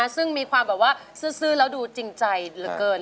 ซึ่งมีความแบบว่าซื่อแล้วดูจริงใจเหลือเกิน